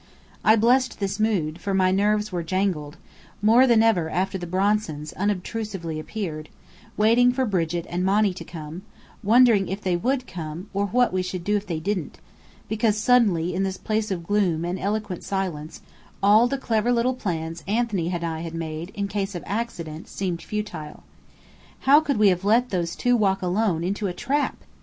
I blessed this mood, for my nerves were jangled (more than ever after the Bronsons unobtrusively appeared) waiting for Brigit and Monny to come, wondering if they would come, or what we should do if they didn't; because suddenly in this place of gloom and eloquent silence all the clever little plans Anthony and I had made, in case of accident, seemed futile. How could we have let those two walk alone into a trap?